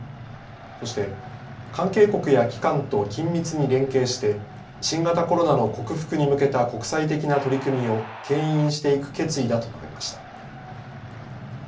そして、関係国や機関と緊密に連携して新型コロナの克服に向けた国際的な取り組みをけん引していく決意だと述べました。